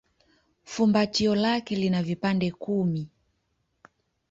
Fumbatio lake lina vipande kumi.